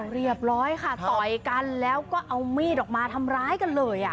เรียบร้อยค่ะต่อยกันแล้วก็เอามีดออกมาทำร้ายกันเลย